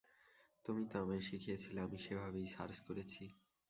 তুমিই তো আমায় শিখিয়েছিলে, আমি সেভাবেই সার্চ করেছি।